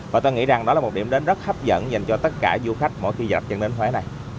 và tôi nghĩ rằng đó là một điểm đến rất hấp dẫn dành cho tất cả du khách mỗi khi dạy chân đến huế này